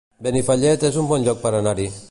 Benifallet es un bon lloc per anar-hi